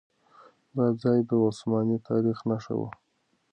دا ځای د عثماني تاريخ نښه وه.